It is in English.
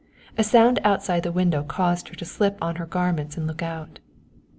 A sound outside the window caused her to slip on her garments and look out.